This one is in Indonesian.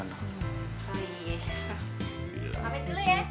pamit dulu ya